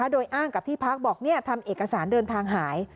โดยอ้างกับที่พักบอกทำเอกสารเดินทางหาย